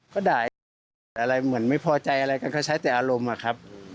ก็ด่าอะไรเหมือนไม่พอใจอะไรกันก็ใช้แต่อารมณ์อะครับ